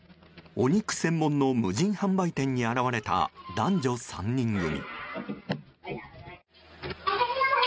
お肉専門の無人販売店に現れた男女３人組。